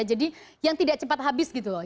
jadi yang tidak cepat habis gitu loh